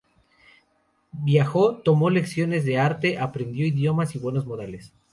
Viajó, tomó lecciones de arte, aprendió idiomas y buenos modales.